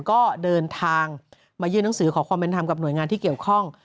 ก็เดินทางมายื่นหนังสือขอความเป็นธรรมกับหน่วยงานที่เกี่ยวข้อง